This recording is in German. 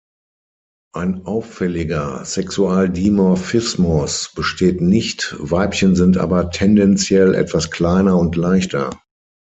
Ein auffälliger Sexualdimorphismus besteht nicht, Weibchen sind aber tendenziell etwas kleiner und leichter.